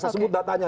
saya sebut datanya